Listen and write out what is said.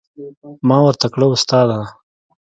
ما ورته کړه استاده.